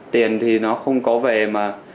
tiền thì nó không có về mà